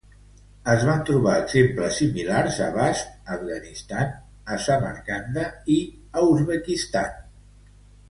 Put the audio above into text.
Es van trobar exemples similars a Bast, Afganistan, a Samarcanda i a Uzbekistan.